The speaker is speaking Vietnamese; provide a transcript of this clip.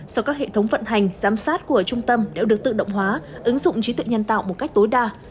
do các hệ thống vận hành giám sát của trung tâm đều được tự động hóa ứng dụng trí tuệ nhân tạo một cách tối đa